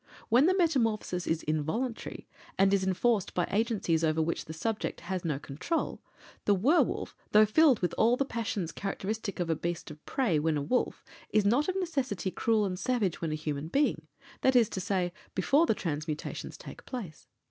When the metamorphosis is involuntary, and is enforced by agencies over which the subject has no control, the werwolf, though filled with all the passions characteristic of a beast of prey, when a wolf, is not of necessity cruel and savage when a human being, that is to say, before the transmutations take place.